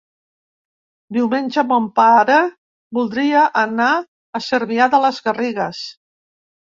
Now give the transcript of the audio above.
Diumenge mon pare voldria anar a Cervià de les Garrigues.